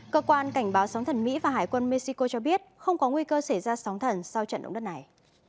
cơ quan cảnh báo sóng thần mỹ và hải quân mexico cho biết không có nguy cơ xảy ra sóng thần sau trận động đất này